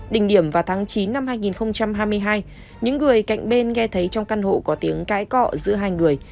đỉnh điểm vào tháng chín năm hai nghìn hai mươi hai những người cạnh bên nghe thấy trong căn hộ có tiếng cái cọ giữa hai người